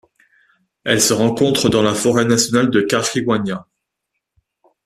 Elle se rencontre dans la forêt nationale de Caxiuanã.